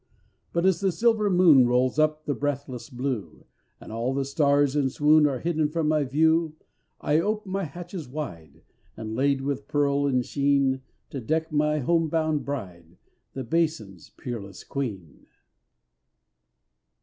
But as the silver moon Rolls up the breathless blue, And all the stars in swoon Are hidden from my view, I ope my hatches wide And lade with pearl and sheen, To deck my home bound bride, The Basin's peerless queen.